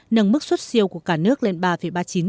nâng mức xuất siêu của cả nước lên ba ba mươi chín tỷ usd